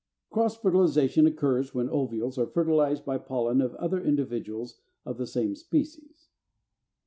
Cross Fertilization occurs when ovules are fertilized by pollen of other individuals of the same species.